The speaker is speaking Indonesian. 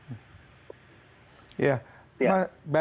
nah dari sembilan puluh persen ini kan yang harus dipenuhi tadi mas yuda